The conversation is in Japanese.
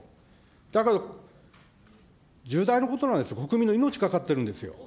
だけど、重大なことなんです、国民の命かかってるんですよ。